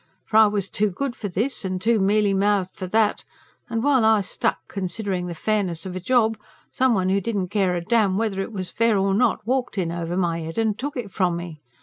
For I was too good for this and too mealy mouthed for that; and while I stuck, considerin' the fairness of a job, some one who didn't care a damn whether it was fair or not, walked in over my head and took it from me.